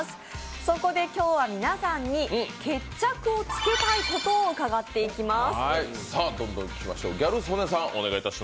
そこで今日は皆さんに決着をつけたいことを伺っていきます。